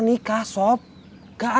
nikah sob gak ada langkah mundur